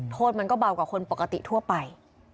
โทษมันก็เบากว่าคนปกติทั่วไป